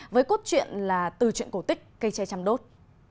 với cốt truyện là từ chuyện cổ tích cây tre chăm đốt